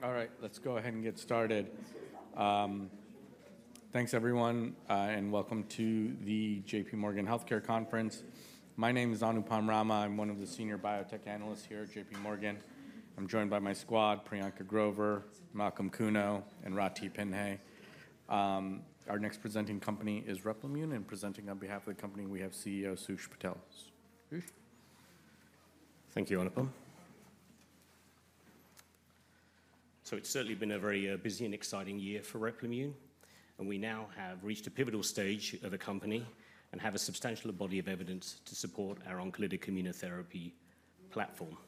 All right, let's go ahead and get started. Thanks, everyone, and welcome to the J.P. Morgan Healthcare Conference. My name is Anupam Rama. I'm one of the senior biotech analysts here at J.P. Morgan. I'm joined by my squad, Priyanka Grover, Malcolm Kuno, and Ratih Phinhai. Our next presenting company is Replimune, and presenting on behalf of the company, we have CEO Sush Patel. Thank you, Anupam. So it's certainly been a very busy and exciting year for Replimune, and we now have reached a pivotal stage of the company and have a substantial body of evidence to support our oncolytic immunotherapy platform.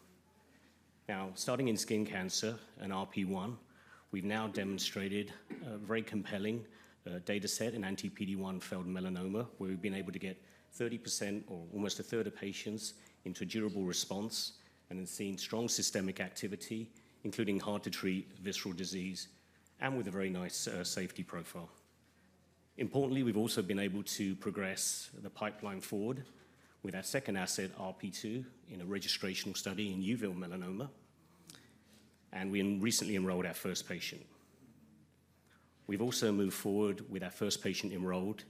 Now, starting in skin cancer and RP1, we've now demonstrated a very compelling data set in anti-PD-1 failed melanoma, where we've been able to get 30% or almost a third of patients into a durable response and have seen strong systemic activity, including hard-to-treat visceral disease and with a very nice safety profile. Importantly, we've also been able to progress the pipeline forward with our second asset, RP2, in a registration study in uveal melanoma, and we recently enrolled our first patient. We've also moved forward with our first patient enrolled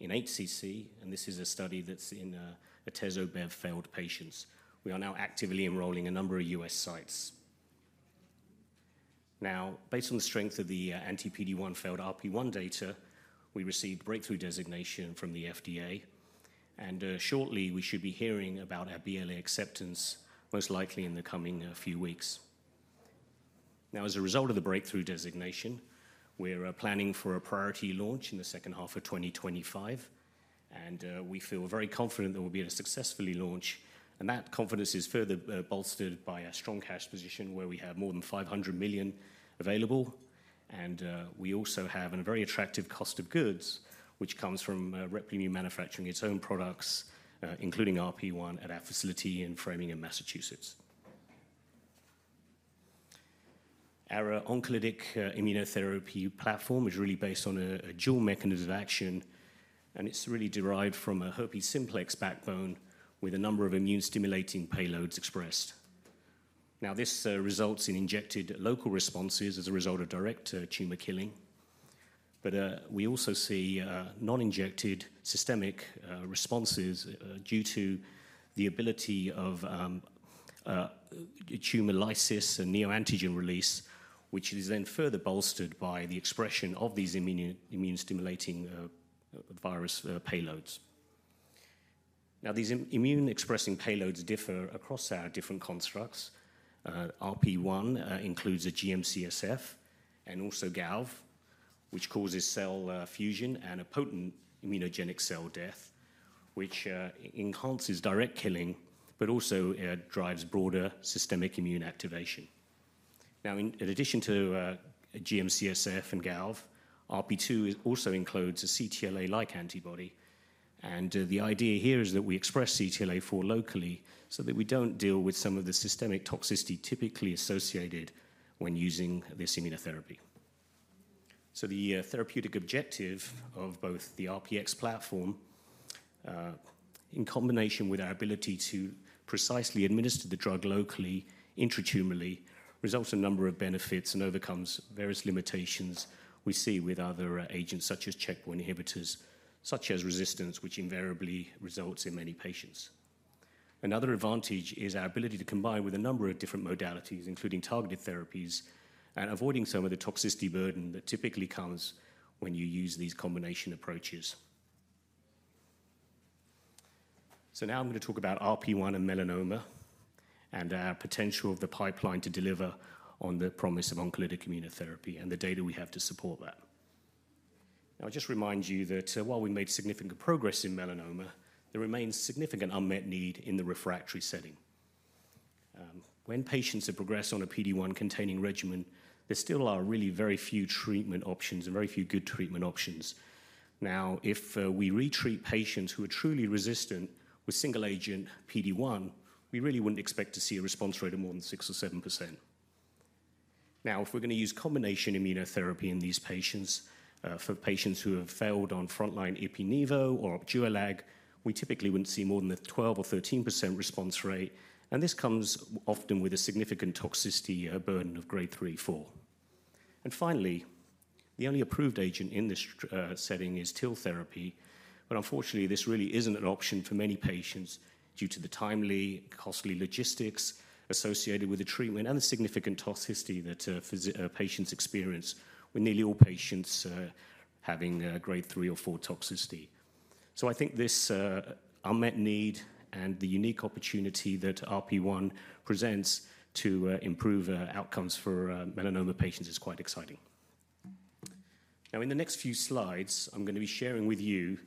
in HCC, and this is a study that's in Atezobev-failed patients. We are now actively enrolling a number of U.S. sites. Now, based on the strength of the anti-PD-1 + RP1 data, we received breakthrough designation from the FDA, and shortly we should be hearing about our BLA acceptance, most likely in the coming few weeks. Now, as a result of the breakthrough designation, we're planning for a priority launch in the second half of 2025, and we feel very confident that we'll be able to successfully launch, and that confidence is further bolstered by our strong cash position, where we have more than $500 million available, and we also have a very attractive cost of goods, which comes from Replimune manufacturing its own products, including RP1, at our facility in Framingham, Massachusetts. Our oncolytic immunotherapy platform is really based on a dual mechanism of action, and it's really derived from a herpes simplex backbone with a number of immune-stimulating payloads expressed. Now, this results in injected local responses as a result of direct tumor killing, but we also see non-injected systemic responses due to the ability of tumor lysis and neoantigens release, which is then further bolstered by the expression of these immune-stimulating virus payloads. Now, these immune-expressing payloads differ across our different constructs. RP1 includes a GM-CSF and also GALV, which causes cell fusion and a potent immunogenic cell death, which enhances direct killing but also drives broader systemic immune activation. Now, in addition to GM-CSF and GALV, RP2 also includes a CTLA-4-like antibody, and the idea here is that we express CTLA-4 locally so that we don't deal with some of the systemic toxicity typically associated when using this immunotherapy. So the therapeutic objective of both the RPx platform, in combination with our ability to precisely administer the drug locally intratumorally, results in a number of benefits and overcomes various limitations we see with other agents such as checkpoint inhibitors, such as resistance, which invariably results in many patients. Another advantage is our ability to combine with a number of different modalities, including targeted therapies, and avoiding some of the toxicity burden that typically comes when you use these combination approaches. So now I'm going to talk about RP1 and melanoma and our potential of the pipeline to deliver on the promise of oncolytic immunotherapy and the data we have to support that. Now, I'll just remind you that while we've made significant progress in melanoma, there remains significant unmet need in the refractory setting. When patients have progressed on a PD-1-containing regimen, there still are really very few treatment options and very few good treatment options. Now, if we retreat patients who are truly resistant with single-agent PD-1, we really wouldn't expect to see a response rate of more than 6% or 7%. Now, if we're going to use combination immunotherapy in these patients, for patients who have failed on frontline Ipilimumab or Opdualag, we typically wouldn't see more than a 12% or 13% response rate, and this comes often with a significant toxicity burden of grade 3 or 4. And finally, the only approved agent in this setting is TIL therapy, but unfortunately, this really isn't an option for many patients due to the timely, costly logistics associated with the treatment and the significant toxicity that patients experience, with nearly all patients having grade 3 or 4 toxicity. So I think this unmet need and the unique opportunity that RP1 presents to improve outcomes for melanoma patients is quite exciting. Now, in the next few slides, I'm going to be sharing with you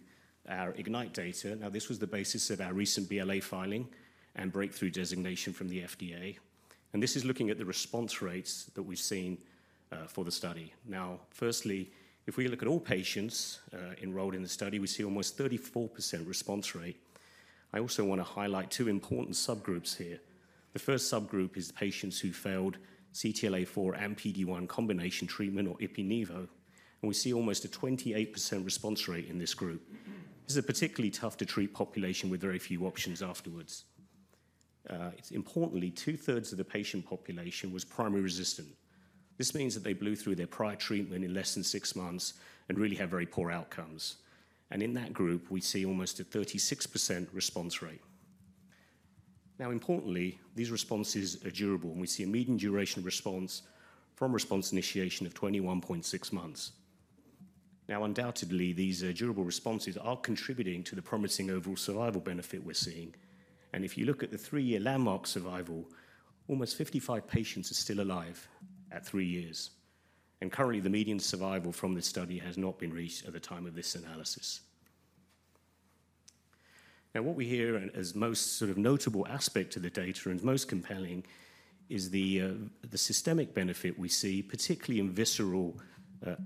our IGNITE data. Now, this was the basis of our recent BLA filing and breakthrough designation from the FDA, and this is looking at the response rates that we've seen for the study. Now, firstly, if we look at all patients enrolled in the study, we see almost a 34% response rate. I also want to highlight two important subgroups here. The first subgroup is patients who failed CTLA-4 and PD-1 combination treatment or ipilimumab, and we see almost a 28% response rate in this group. This is a particularly tough-to-treat population with very few options afterwards. Importantly, two-thirds of the patient population was primary resistant. This means that they blew through their prior treatment in less than six months and really had very poor outcomes, and in that group, we see almost a 36% response rate. Now, importantly, these responses are durable, and we see a median duration response from response initiation of 21.6 months. Now, undoubtedly, these durable responses are contributing to the promising overall survival benefit we're seeing, and if you look at the three-year landmark survival, almost 55% of patients are still alive at three years, and currently, the median survival from this study has not been reached at the time of this analysis. Now, what we hear as the most notable aspect of the data and most compelling is the systemic benefit we see, particularly in visceral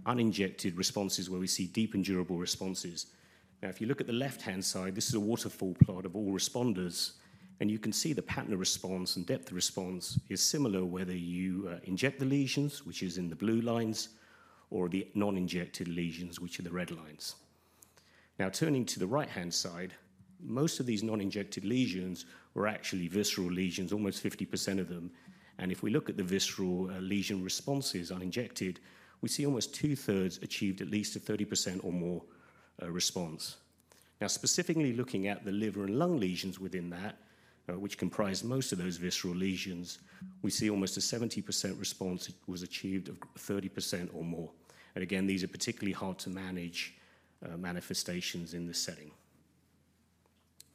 uninjected responses, where we see deep and durable responses. Now, if you look at the left-hand side, this is a waterfall plot of all responders, and you can see the pattern of response and depth of response is similar whether you inject the lesions, which are in the blue lines, or the non-injected lesions, which are the red lines. Now, turning to the right-hand side, most of these non-injected lesions were actually visceral lesions, almost 50% of them, and if we look at the visceral lesion responses uninjected, we see almost two-thirds achieved at least a 30% or more response. Now, specifically looking at the liver and lung lesions within that, which comprise most of those visceral lesions, we see almost a 70% response was achieved of 30% or more, and again, these are particularly hard-to-manage manifestations in this setting.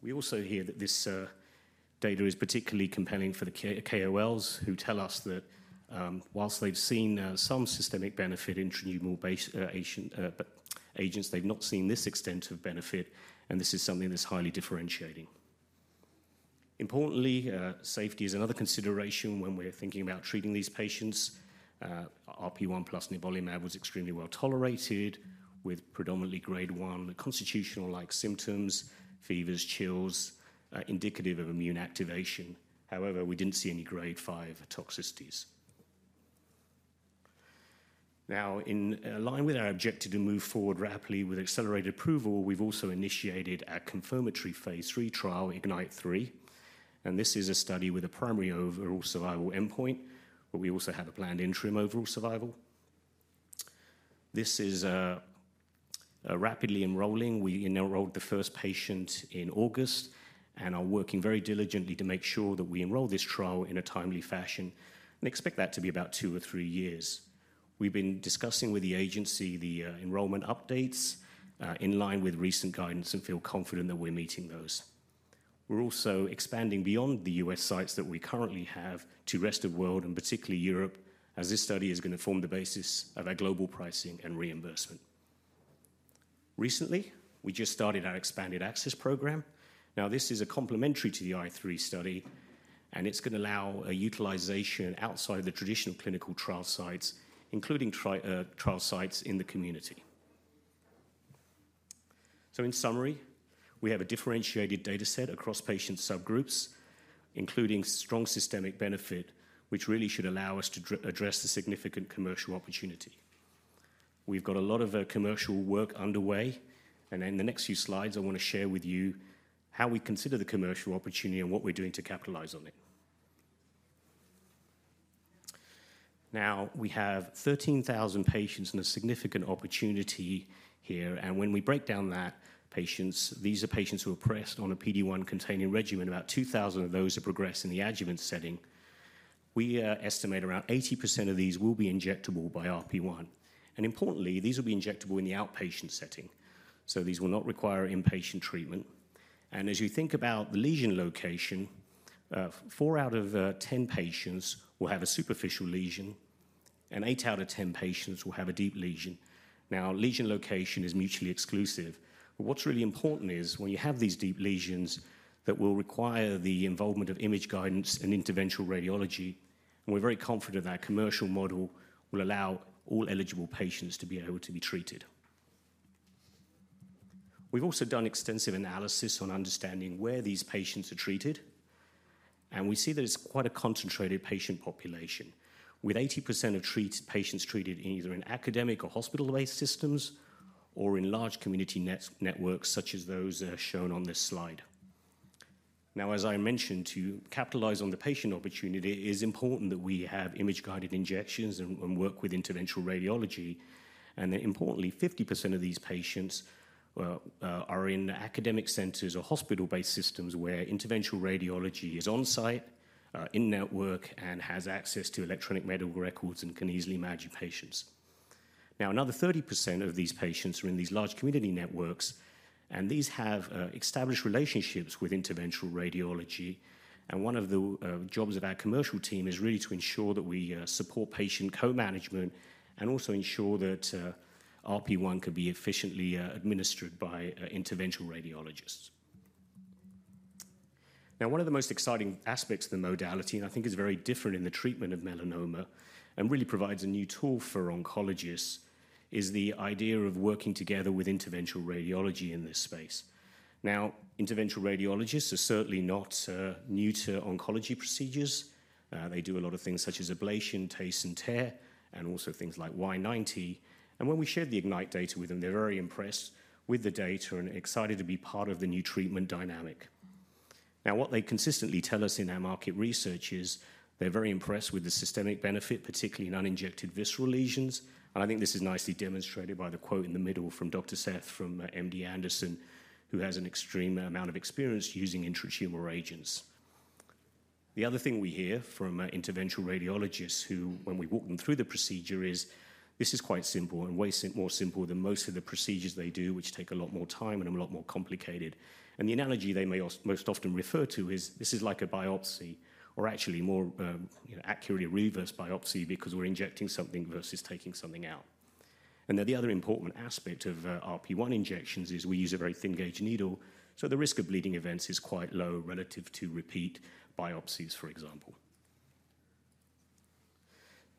We also hear that this data is particularly compelling for the KOLs, who tell us that while they've seen some systemic benefit intratumoral agents, they've not seen this extent of benefit, and this is something that's highly differentiating. Importantly, safety is another consideration when we're thinking about treating these patients. RP1 plus nivolumab was extremely well tolerated with predominantly grade one constitutional-like symptoms: fevers, chills, indicative of immune activation. However, we didn't see any grade five toxicities. Now, in line with our objective to move forward rapidly with accelerated approval, we've also initiated our confirmatory phase III trial, IGNITE-3, and this is a study with a primary overall survival endpoint, but we also have a planned interim overall survival. This is rapidly enrolling. We enrolled the first patient in August, and are working very diligently to make sure that we enroll this trial in a timely fashion and expect that to be about two or three years. We've been discussing with the agency the enrollment updates in line with recent guidance and feel confident that we're meeting those. We're also expanding beyond the U.S. sites that we currently have to the rest of the world and particularly Europe, as this study is going to form the basis of our global pricing and reimbursement. Recently, we just started our expanded access program. Now, this is complementary to the IGNITE-3 study, and it's going to allow utilization outside of the traditional clinical trial sites, including trial sites in the community. So, in summary, we have a differentiated data set across patient subgroups, including strong systemic benefit, which really should allow us to address the significant commercial opportunity. We've got a lot of commercial work underway, and in the next few slides, I want to share with you how we consider the commercial opportunity and what we're doing to capitalize on it. Now, we have 13,000 patients and a significant opportunity here, and when we break down that patients, these are patients who are progressed on a PD-1-containing regimen. About 2,000 of those are progressed in the adjuvant setting. We estimate around 80% of these will be injectable by RP1, and importantly, these will be injectable in the outpatient setting, so these will not require inpatient treatment. And as you think about the lesion location, four out of 10 patients will have a superficial lesion, and eight out of 10 patients will have a deep lesion. Now, lesion location is mutually exclusive, but what's really important is when you have these deep lesions that will require the involvement of image guidance and interventional radiology, and we're very confident that our commercial model will allow all eligible patients to be able to be treated. We've also done extensive analysis on understanding where these patients are treated, and we see that it's quite a concentrated patient population, with 80% of patients treated either in academic or hospital-based systems or in large community networks such as those shown on this slide. Now, as I mentioned, to capitalize on the patient opportunity, it is important that we have image-guided injections and work with interventional radiology, and importantly, 50% of these patients are in academic centers or hospital-based systems where interventional radiology is on-site, in-network, and has access to electronic medical records and can easily manage patients. Now, another 30% of these patients are in these large community networks, and these have established relationships with interventional radiology, and one of the jobs of our commercial team is really to ensure that we support patient co-management and also ensure that RP1 can be efficiently administered by interventional radiologists. Now, one of the most exciting aspects of the modality, and I think it's very different in the treatment of melanoma and really provides a new tool for oncologists, is the idea of working together with interventional radiology in this space. Now, interventional radiologists are certainly not new to oncology procedures. They do a lot of things such as ablation, TACE, and TARE, and also things like Y90, and when we shared the IGNITE data with them, they're very impressed with the data and excited to be part of the new treatment dynamic. Now, what they consistently tell us in our market research is they're very impressed with the systemic benefit, particularly in uninjected visceral lesions, and I think this is nicely demonstrated by the quote in the middle from Dr. Sheth from MD Anderson, who has an extreme amount of experience using intratumoral agents. The other thing we hear from interventional radiologists who, when we walk them through the procedure, is this is quite simple and way more simple than most of the procedures they do, which take a lot more time and are a lot more complicated, and the analogy they may most often refer to is this is like a biopsy or actually more accurately a reverse biopsy because we're injecting something versus taking something out. And then the other important aspect of RP1 injections is we use a very thin-gauge needle, so the risk of bleeding events is quite low relative to repeat biopsies, for example.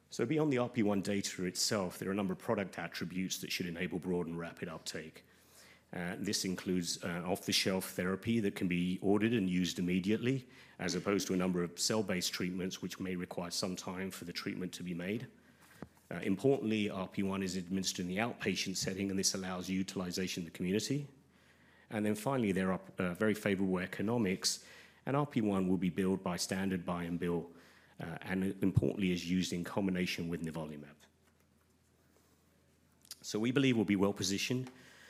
So, beyond the RP1 data itself, there are a number of product attributes that should enable broad and rapid uptake. This includes off-the-shelf therapy that can be ordered and used immediately, as opposed to a number of cell-based treatments which may require some time for the treatment to be made. Importantly, RP1 is administered in the outpatient setting, and this allows utilization in the community, and then finally, there are very favorable economics, and RP1 will be billed by standard buy-and-bill and importantly is used in combination with nivolumab, so we believe we'll be well-positioned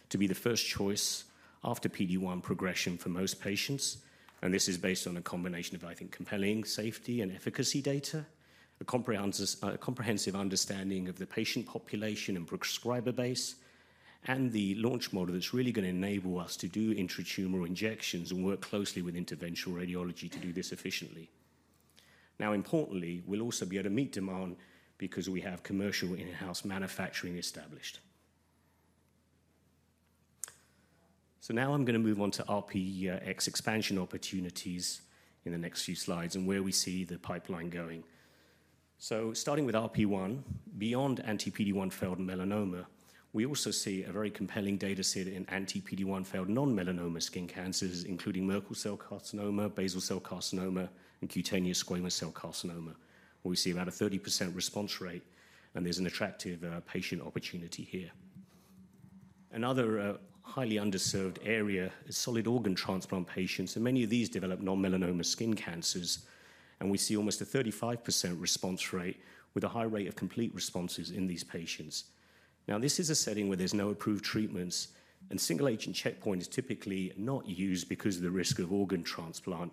to be the first choice after PD1 progression for most patients, and this is based on a combination of, I think, compelling safety and efficacy data, a comprehensive understanding of the patient population and prescriber base, and the launch model that's really going to enable us to do intratumoral injections and work closely with interventional radiology to do this efficiently. Now, importantly, we'll also be able to meet demand because we have commercial in-house manufacturing established. So, now I'm going to move on to RPx expansion opportunities in the next few slides and where we see the pipeline going. So, starting with RP1, beyond anti-PD-1 failed melanoma, we also see a very compelling data set in anti-PD-1 failed non-melanoma skin cancers, including Merkel cell carcinoma, basal cell carcinoma, and cutaneous squamous cell carcinoma, where we see about a 30% response rate, and there's an attractive patient opportunity here. Another highly underserved area is solid organ transplant patients, and many of these develop non-melanoma skin cancers, and we see almost a 35% response rate with a high rate of complete responses in these patients. Now, this is a setting where there's no approved treatments, and single-agent checkpoint is typically not used because of the risk of organ transplant,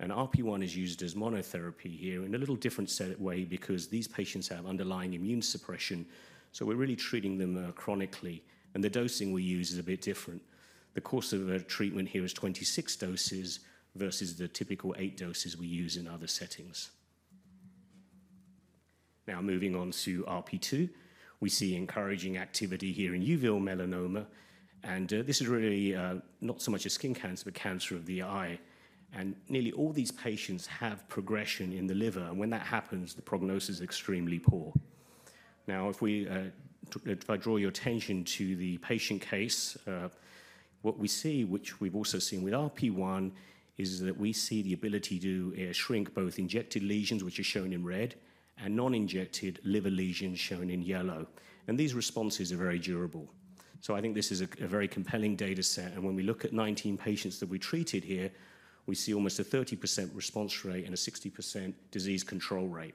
and RP1 is used as monotherapy here in a little different way because these patients have underlying immune suppression, so we're really treating them chronically, and the dosing we use is a bit different. The course of treatment here is 26 doses versus the typical eight doses we use in other settings. Now, moving on to RP2, we see encouraging activity here in uveal melanoma, and this is really not so much a skin cancer but cancer of the eye, and nearly all these patients have progression in the liver, and when that happens, the prognosis is extremely poor. Now, if I draw your attention to the patient case, what we see, which we've also seen with RP1, is that we see the ability to shrink both injected lesions, which are shown in red, and non-injected liver lesions shown in yellow, and these responses are very durable. So, I think this is a very compelling data set, and when we look at 19 patients that we treated here, we see almost a 30% response rate and a 60% disease control rate,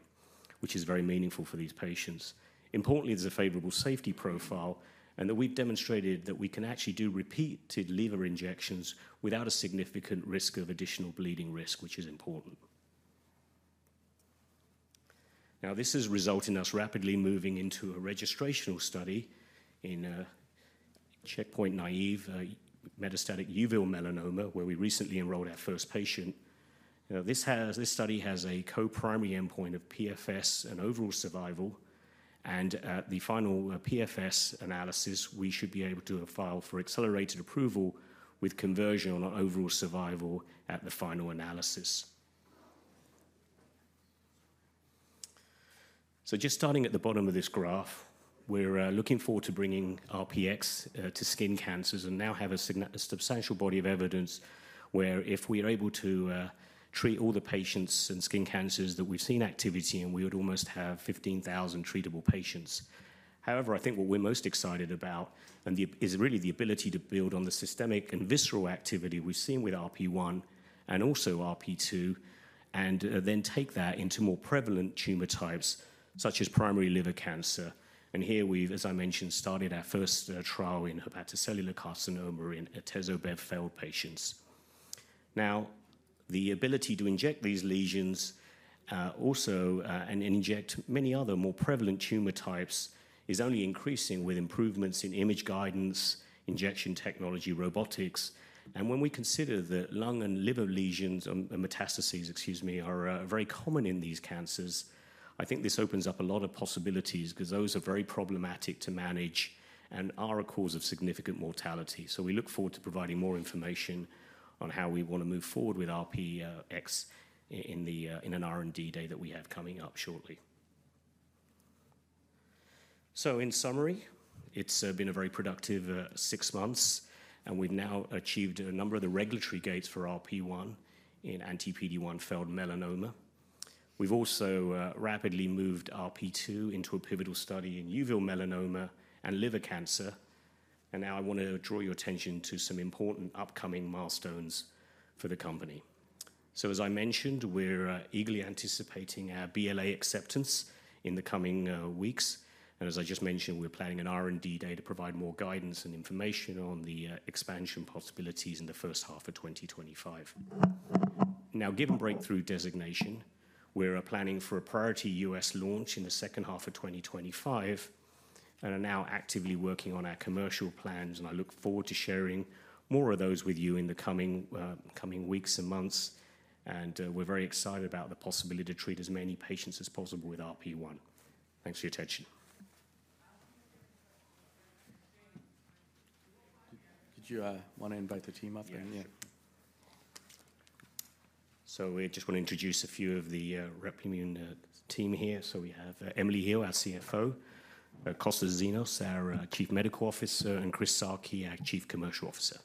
which is very meaningful for these patients. Importantly, there's a favorable safety profile and that we've demonstrated that we can actually do repeated liver injections without a significant risk of additional bleeding risk, which is important. Now, this has resulted in us rapidly moving into a registrational study in checkpoint-naive metastatic uveal melanoma, where we recently enrolled our first patient. This study has a co-primary endpoint of PFS and overall survival, and at the final PFS analysis, we should be able to file for accelerated approval with conversion on overall survival at the final analysis. Just starting at the bottom of this graph, we're looking forward to bringing RPx to skin cancers and now have a substantial body of evidence where if we are able to treat all the patients and skin cancers that we've seen activity in, we would almost have 15,000 treatable patients. However, I think what we're most excited about is really the ability to build on the systemic and visceral activity we've seen with RP1 and also RP2 and then take that into more prevalent tumor types such as primary liver cancer. Here we've, as I mentioned, started our first trial in hepatocellular carcinoma in Atezobev-failed patients. Now, the ability to inject these lesions also and inject many other more prevalent tumor types is only increasing with improvements in image guidance, injection technology, robotics, and when we consider that lung and liver lesions and metastases, excuse me, are very common in these cancers, I think this opens up a lot of possibilities because those are very problematic to manage and are a cause of significant mortality. So, we look forward to providing more information on how we want to move forward with RPx in an R&D day that we have coming up shortly. So, in summary, it's been a very productive six months, and we've now achieved a number of the regulatory gates for RP1 in anti-PD-1 failed melanoma. We've also rapidly moved RP2 into a pivotal study in uveal melanoma and liver cancer, and now I want to draw your attention to some important upcoming milestones for the company. So, as I mentioned, we're eagerly anticipating our BLA acceptance in the coming weeks, and as I just mentioned, we're planning an R&D day to provide more guidance and information on the expansion possibilities in the first half of 2025. Now, given Breakthrough Designation, we're planning for a priority U.S. launch in the second half of 2025 and are now actively working on our commercial plans, and I look forward to sharing more of those with you in the coming weeks and months, and we're very excited about the possibility to treat as many patients as possible with RP1. Thanks for your attention. Could you want to invite the team up? Yeah. Sure. So, we just want to introduce a few of the Replimune team here. So, we have Emily Hill, our CFO, Kosta Xynos, our Chief Medical Officer, and Chris Sarchi, our Chief Commercial Officer.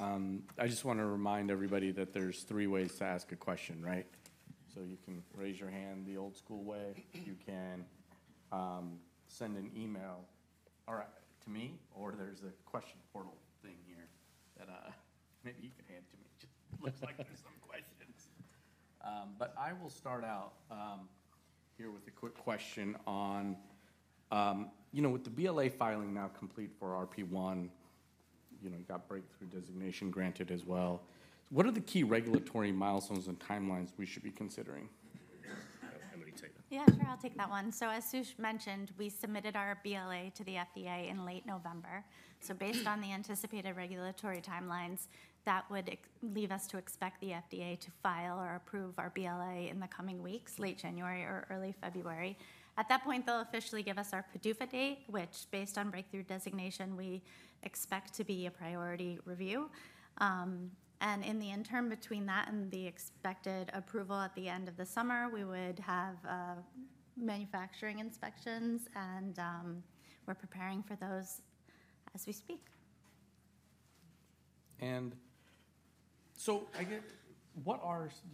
I just want to remind everybody that there's three ways to ask a question, right? So, you can raise your hand the old school way. You can send an email to me, or there's a question portal thing here that maybe you could hand to me. It looks like there's some questions. But I will start out here with a quick question on, you know, with the BLA filing now complete for RP1, you know, you got Breakthrough Designation granted as well. What are the key regulatory milestones and timelines we should be considering? Emily, take that. Yeah, sure, I'll take that one. As Sush mentioned, we submitted our BLA to the FDA in late November. Based on the anticipated regulatory timelines, that would leave us to expect the FDA to file or approve our BLA in the coming weeks, late January or early February. At that point, they'll officially give us our PDUFA date, which, based on Breakthrough designation, we expect to be a priority review. In the interim between that and the expected approval at the end of the summer, we would have manufacturing inspections, and we're preparing for those as we speak. And so, I guess,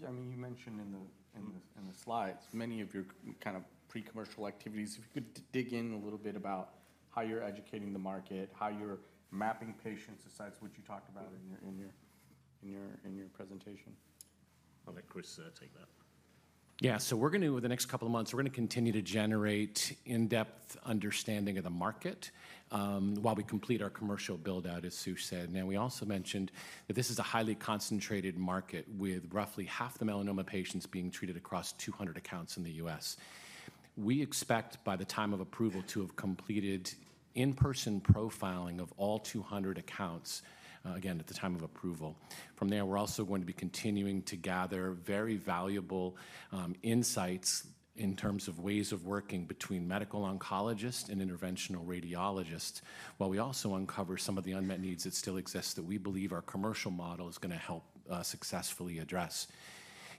I mean, you mentioned in the slides many of your kind of pre-commercial activities. If you could dig in a little bit about how you're educating the market, how you're mapping patients besides what you talked about in your presentation. I'll let Chris take that. Yeah, so we're going to, over the next couple of months, we're going to continue to generate in-depth understanding of the market while we complete our commercial build-out, as Sush said. Now, we also mentioned that this is a highly concentrated market with roughly half the melanoma patients being treated across 200 accounts in the U.S. We expect, by the time of approval, to have completed in-person profiling of all 200 accounts, again, at the time of approval. From there, we're also going to be continuing to gather very valuable insights in terms of ways of working between medical oncologists and interventional radiologists while we also uncover some of the unmet needs that still exist that we believe our commercial model is going to help successfully address.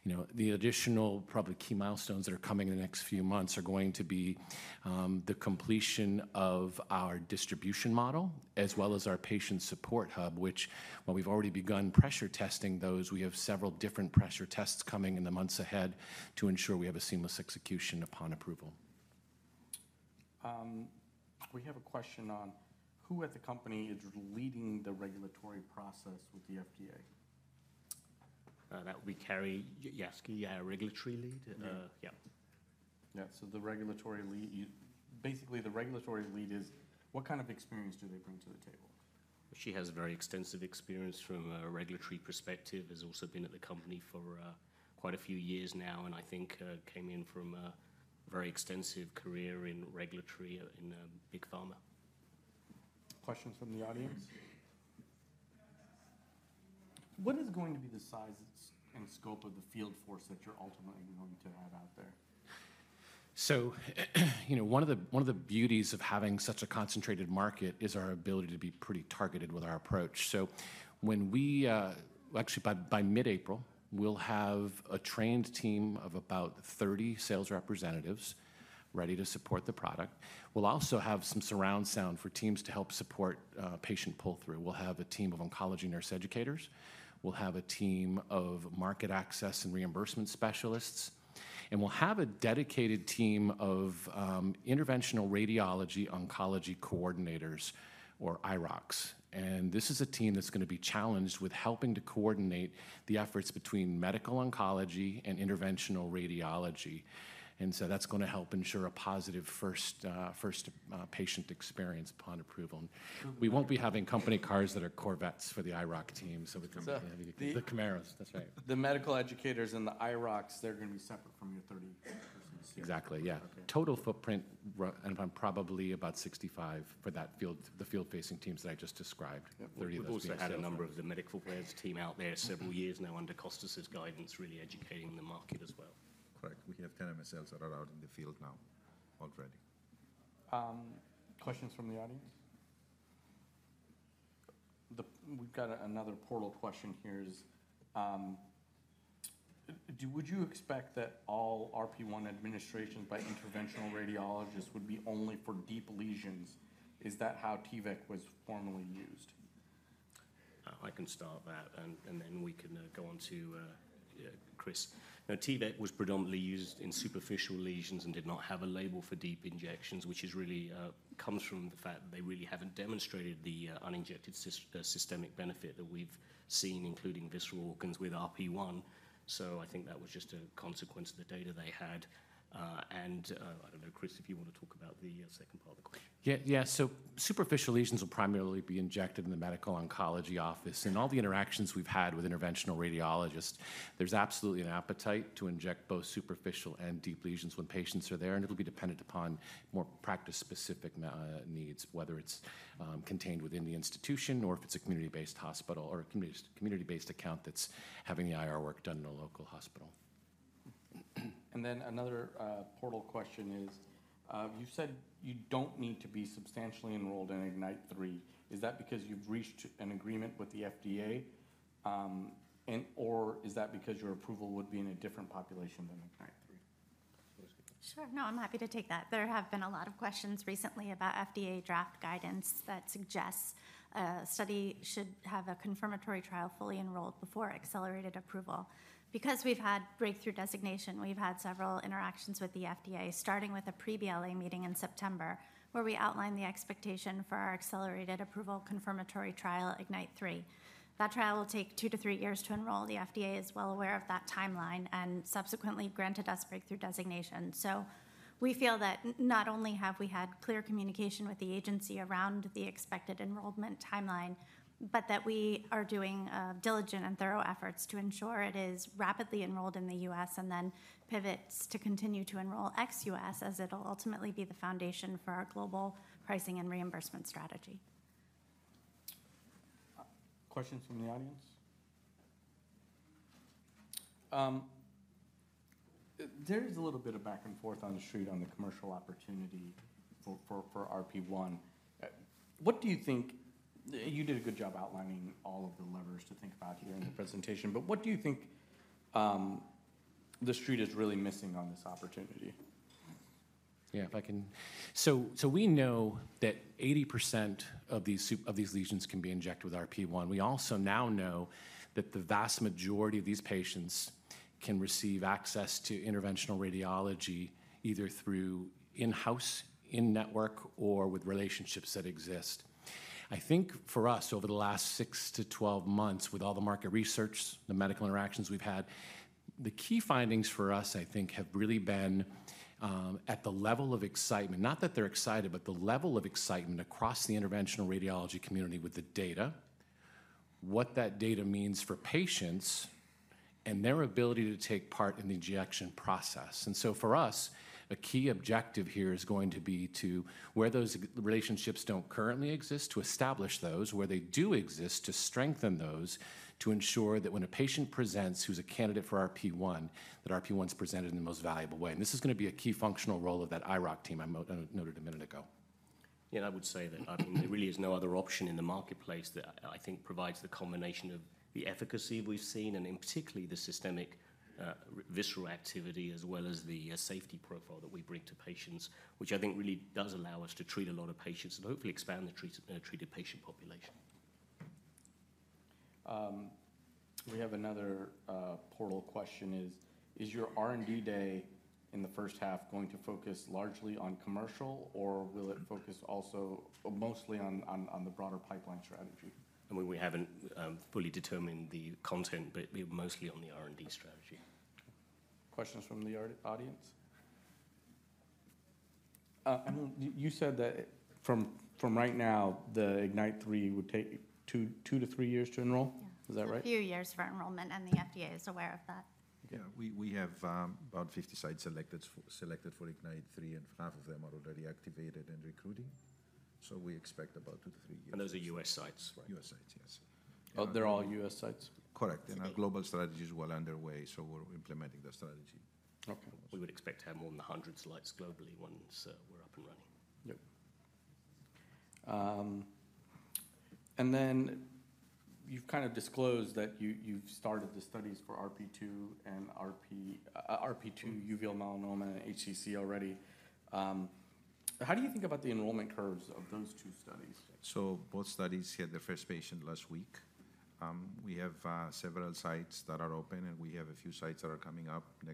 You know, the additional, probably, key milestones that are coming in the next few months are going to be the completion of our distribution model as well as our patient support hub, which, while we've already begun pressure testing those, we have several different pressure tests coming in the months ahead to ensure we have a seamless execution upon approval. We have a question on who at the company is leading the regulatory process with the FDA. That would be Carrie Yaski, our regulatory lead. Yeah. Yeah, so the regulatory lead, basically, the regulatory lead is what kind of experience do they bring to the table? She has a very extensive experience from a regulatory perspective. Has also been at the company for quite a few years now, and I think came in from a very extensive career in regulatory in Big Pharma. Questions from the audience? What is going to be the size and scope of the field force that you're ultimately going to have out there? So, you know, one of the beauties of having such a concentrated market is our ability to be pretty targeted with our approach. So, when we, actually, by mid-April, we'll have a trained team of about 30 sales representatives ready to support the product. We'll also have some surround sound for teams to help support patient pull-through. We'll have a team of oncology nurse educators. We'll have a team of market access and reimbursement specialists. And we'll have a dedicated team of interventional radiology oncology coordinators, or IROCs. And this is a team that's going to be challenged with helping to coordinate the efforts between medical oncology and interventional radiology. And so, that's going to help ensure a positive first patient experience upon approval. We won't be having company cars that are Corvettes for the IROC team, so we can have the Camaros. That's right. The medical educators and the IROCs, they're going to be separate from your 30 persons here. Exactly, yeah. Total footprint, I'm probably about 65 for the field-facing teams that I just described. We've also had a number of the medical affairs team out there several years now under Costa's guidance, really educating the market as well. Correct. We have 10 of ourselves that are out in the field now already. Questions from the audience? We've got another portal question here: Would you expect that all RP1 administrations by interventional radiologists would be only for deep lesions? Is that how T-VEC was formerly used? I can start that, and then we can go on to Chris. Now, T-VEC was predominantly used in superficial lesions and did not have a label for deep injections, which really comes from the fact that they really haven't demonstrated the uninjected systemic benefit that we've seen, including visceral organs with RP1. So, I think that was just a consequence of the data they had. And I don't know, Chris, if you want to talk about the second part of the question. Yeah, yeah, so superficial lesions will primarily be injected in the medical oncology office. In all the interactions we've had with interventional radiologists, there's absolutely an appetite to inject both superficial and deep lesions when patients are there, and it'll be dependent upon more practice-specific needs, whether it's contained within the institution or if it's a community-based hospital or a community-based account that's having the IR work done in a local hospital. And then another portal question is: You said you don't need to be substantially enrolled in IGNITE-3. Is that because you've reached an agreement with the FDA, or is that because your approval would be in a different population than IGNITE-3? Sure, no, I'm happy to take that. There have been a lot of questions recently about FDA draft guidance that suggests a study should have a confirmatory trial fully enrolled before accelerated approval. Because we've had Breakthrough Designation, we've had several interactions with the FDA, starting with a pre-BLA meeting in September where we outlined the expectation for our accelerated approval confirmatory trial, IGNITE-3. That trial will take two to three years to enroll. The FDA is well aware of that timeline and subsequently granted us Breakthrough Designation. So, we feel that not only have we had clear communication with the agency around the expected enrollment timeline, but that we are doing diligent and thorough efforts to ensure it is rapidly enrolled in the U.S. and then pivots to continue to enroll ex-U.S., as it'll ultimately be the foundation for our global pricing and reimbursement strategy. Questions from the audience? There is a little bit of back and forth on the street on the commercial opportunity for RP1. What do you think? You did a good job outlining all of the levers to think about here in the presentation, but what do you think the street is really missing on this opportunity? Yeah, if I can. So, we know that 80% of these lesions can be injected with RP1. We also now know that the vast majority of these patients can receive access to interventional radiology either through in-house, in-network, or with relationships that exist. I think for us, over the last six to 12 months, with all the market research, the medical interactions we've had, the key findings for us, I think, have really been at the level of excitement, not that they're excited, but the level of excitement across the interventional radiology community with the data, what that data means for patients and their ability to take part in the injection process. And so, for us, a key objective here is going to be to, where those relationships don't currently exist, to establish those. Where they do exist, to strengthen those, to ensure that when a patient presents who's a candidate for RP1, that RP1's presented in the most valuable way. And this is going to be a key functional role of that IROCs team I noted a minute ago. Yeah, and I would say that, I mean, there really is no other option in the marketplace that I think provides the combination of the efficacy we've seen and, in particular, the systemic visceral activity as well as the safety profile that we bring to patients, which I think really does allow us to treat a lot of patients and hopefully expand the treated patient population. We have another portal question: Is your R&D day in the first half going to focus largely on commercial, or will it focus also mostly on the broader pipeline strategy? I mean, we haven't fully determined the content, but it'll be mostly on the R&D strategy. Questions from the audience? You said that from right now, the IGNITE-3 would take two to three years to enroll? Yeah. Is that right? A few years for enrollment, and the FDA is aware of that. Yeah, we have about 50 sites selected for IGNITE-3, and half of them are already activated and recruiting. So, we expect about two to three years. Those are U.S. sites. U.S. sites, yes. They're all U.S. sites? Correct, and our global strategy is well underway, so we're implementing the strategy. We would expect to have more than 100 sites globally once we're up and running. Yep. And then you've kind of disclosed that you've started the studies for RP2, Uveal Melanoma, HCC already. How do you think about the enrollment curves of those two studies? So, both studies had their first patient last week. We have several sites that are open, and we have a few sites that are coming up in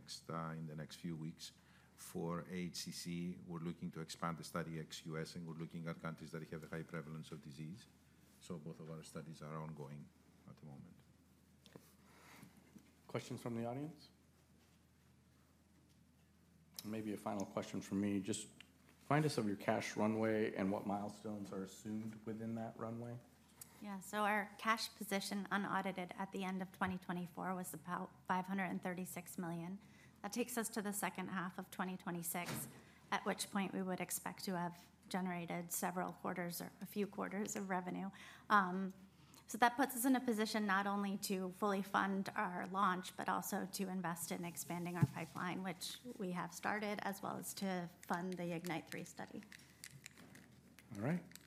the next few weeks. For HCC, we're looking to expand the study ex-US, and we're looking at countries that have a high prevalence of disease. So, both of our studies are ongoing at the moment. Questions from the audience? And maybe a final question from me: Just find us some of your cash runway and what milestones are assumed within that runway? Yeah, so our cash position unaudited at the end of 2024 was about $536 million. That takes us to the second half of 2026, at which point we would expect to have generated several quarters or a few quarters of revenue. So, that puts us in a position not only to fully fund our launch, but also to invest in expanding our pipeline, which we have started, as well as to fund the IGNITE-3 study. All right. Thanks.